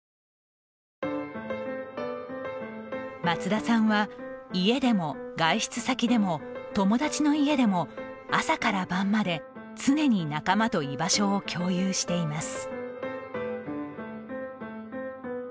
松田さんは家でも外出先でも友達の家でも朝から晩まで、常に仲間と居場所を共有しています。